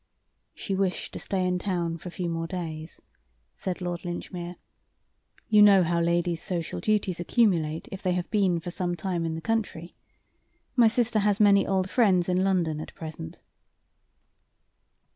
"She wished to stay in town for a few more days," said Lord Linchmere. "You know how ladies' social duties accumulate if they have been for some time in the country. My sister has many old friends in London at present."